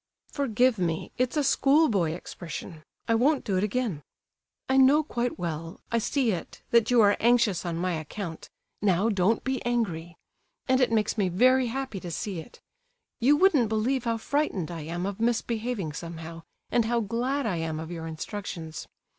"Forgive me, it's a schoolboy expression. I won't do it again. I know quite well, I see it, that you are anxious on my account (now, don't be angry), and it makes me very happy to see it. You wouldn't believe how frightened I am of misbehaving somehow, and how glad I am of your instructions.